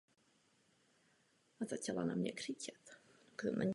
Specializuje se na střední tratě volným způsobem.